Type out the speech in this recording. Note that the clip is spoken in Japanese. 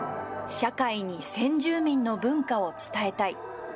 社会に先住民の文化を伝えたい。